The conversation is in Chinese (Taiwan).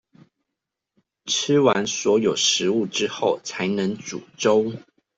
吃完所有食物之後才能煮粥